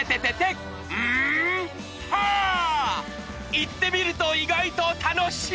言ってみると意外と楽しい